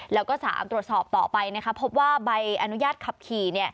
แล้วก็๓ตรวจสอบต่อไปพบว่าใบอนุญาตขับขี่